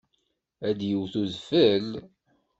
Ad d-yewwet udfel?